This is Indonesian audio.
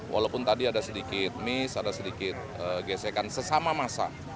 walaupun tadi ada sedikit miss ada sedikit gesekan sesama masa